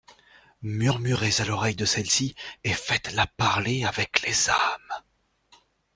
Murmurez à l’oreille de celle-ci, et faites-la parler avec les âmes.